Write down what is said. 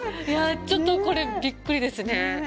ちょっとこれ、びっくりですね。